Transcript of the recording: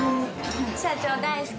社長大好き。